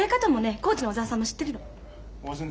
コーチの小沢さんも知ってるの。